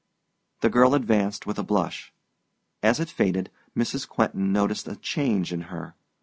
The girl advanced with a blush. As it faded, Mrs. Quentin noticed a change in her.